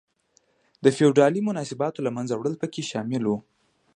د فیوډالي مناسباتو له منځه وړل پکې شامل و.